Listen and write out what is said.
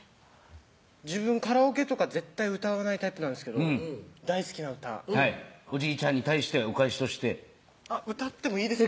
自分カラオケとか絶対歌わないタイプなんですけど大好きな歌おじいちゃんに対してお返しとして歌ってもいいですか？